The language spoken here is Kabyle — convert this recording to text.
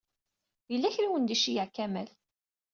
Yella kra i wen-d-iceyyeɛ Kamal.